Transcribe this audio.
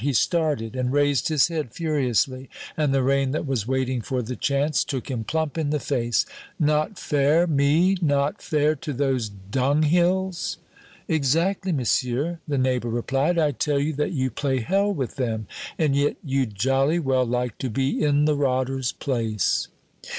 He started, and raised his head furiously, and the rain, that was waiting for the chance, took him plump in the face. "Not fair me? Not fair to those dung hills?" "Exactly, monsieur," the neighbor replied; "I tell you that you play hell with them and yet you'd jolly well like to be in the rotters' place."